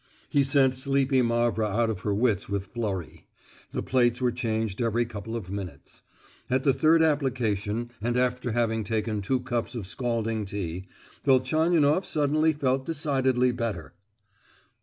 He sent sleepy Mavra out of her wits with flurry; the plates were changed every couple of minutes. At the third application, and after having taken two cups of scalding tea, Velchaninoff suddenly felt decidedly better.